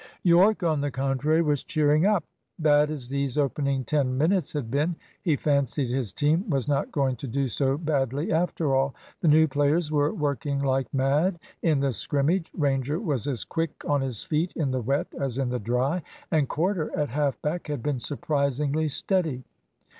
Yorke, on the contrary, was cheering up. Bad as these opening ten minutes had been, he fancied his team was not going to do so badly after all. The new players were working like mad in the scrimmage. Ranger was as quick on his feet in the wet as in the dry; and Corder at half back had been surprisingly steady.